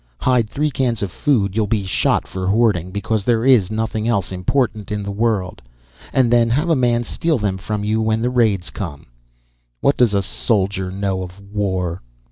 Hide three cans of food you'll be shot for hoarding because there is nothing else important in the world. And then have a man steal them from you when the raids come! What does a soldier know of war?"